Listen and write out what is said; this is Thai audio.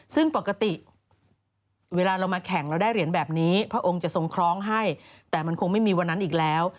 ซึ่งปกติเวลาเรามาแข่งเราได้เหรียญแบบนี้พระองค์จะทรงคล้องให้แต่มันคงไม่มีวันนั้นอีกแล้ว